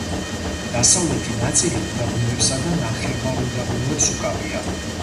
დასავლეთი ნაწილი უდაბნოებსა და ნახევარუდაბნოებს უკავია.